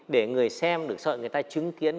để người xem được sợ người ta chứng kiến